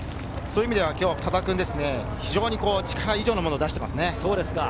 そういう意味では今日の田澤君は非常に力以上のものを出していますね。